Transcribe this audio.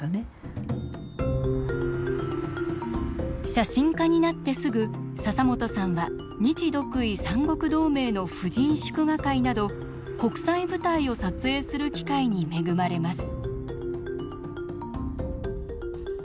写真家になってすぐ笹本さんは日独伊三国同盟の婦人祝賀会など国際舞台を撮影する機会に恵まれます。